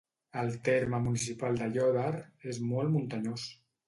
El terme municipal d'Aiòder és molt muntanyós.